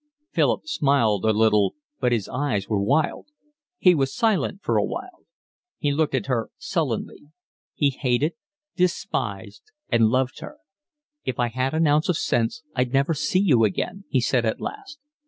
Philip smiled a little, but his eyes were wild. He was silent for a while. He looked at her sullenly. He hated, despised, and loved her. "If I had an ounce of sense I'd never see you again," he said at last.